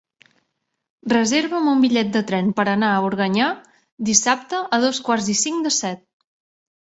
Reserva'm un bitllet de tren per anar a Organyà dissabte a dos quarts i cinc de set.